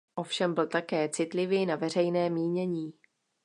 Ovšem byl také citlivý na veřejné mínění.